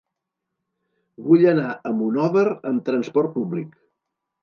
Vull anar a Monòver amb transport públic.